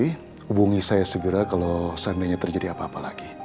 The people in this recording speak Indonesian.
hubungi saya segera kalau seandainya terjadi apa apa lagi